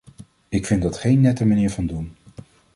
Ik vind dat geen nette manier van doen!